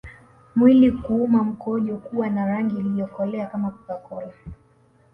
Mwili kuuma mkojo kuwa na rangi iliyokolea kama CocaCola